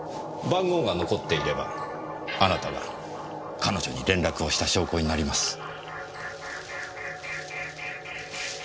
番号が残っていればあなたが彼女に連絡をした証拠になります。